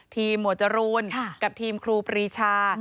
หมวดจรูนกับทีมครูปรีชา